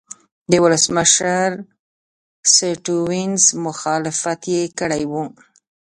د ولسمشر سټیونز مخالفت یې کړی و.